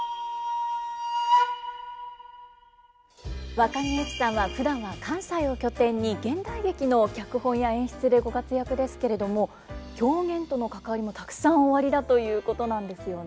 わかぎゑふさんはふだんは関西を拠点に現代劇の脚本や演出でご活躍ですけれども狂言との関わりもたくさんおありだということなんですよね。